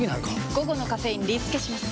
午後のカフェインリスケします！